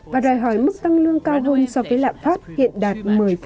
và đòi hỏi mức tăng lương cao hơn so với lạm phát hiện đạt một mươi